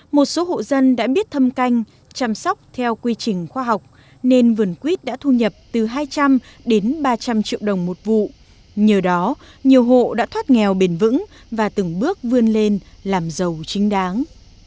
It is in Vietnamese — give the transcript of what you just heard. một số hộ dân đã biết thâm canh chăm sóc theo quy trình khoa học nên vườn quyết đã thu nhập từ hai trăm linh đến ba trăm linh triệu đồng một vụ nhờ đó nhiều hộ đã thoát nghèo bền vững và từng bước vươn lên làm giàu chính đáng